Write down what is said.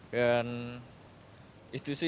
dan itu sih